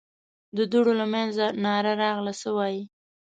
د دوړو له مينځه ناره راغله: څه وايې؟